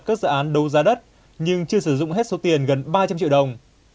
các dự án đấu giá đất nhưng chưa sử dụng hết số tiền gần ba trăm linh triệu đồng